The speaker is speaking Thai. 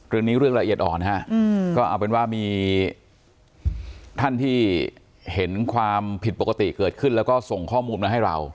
เรื่องละเอียดอ่อนฮะก็เอาเป็นว่ามีท่านที่เห็นความผิดปกติเกิดขึ้นแล้วก็ส่งข้อมูลมาให้เรา